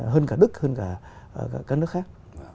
hơn cả đức hơn cả các nước khác